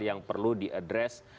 yang perlu diadres